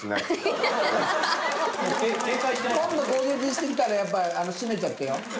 今度攻撃して来たらやっぱ締めちゃってよ。